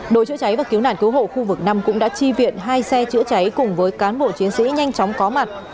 đội chữa cháy và cứu nạn cứu hộ khu vực năm cũng đã chi viện hai xe chữa cháy cùng với cán bộ chiến sĩ nhanh chóng có mặt